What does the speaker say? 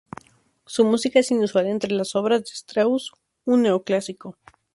Su música es inusual entre las obras de Strauss, un neoclásico.